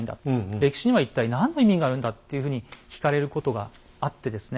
歴史には一体何の意味があるんだっていうふうに聞かれることがあってですね